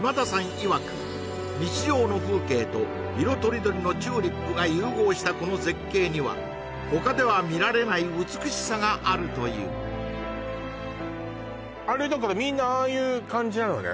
いわく日常の風景と色とりどりのチューリップが融合したこの絶景にはほかでは見られない美しさがあるというあれだからみんなああいう感じなのね